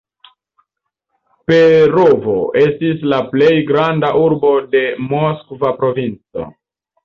Perovo estis la plej granda urbo de Moskva provinco.